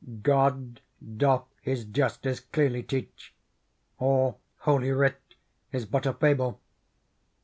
God doth His justice clearly teach. Or Holy Writ is but a fable.